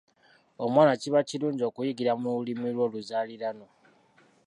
Omwana kiba kirungi okuyigira mu Lulimi lwe oluzaaliranwa.